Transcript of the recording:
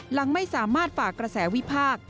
หลังไม่สามารถฝากกระแสวิพากษ์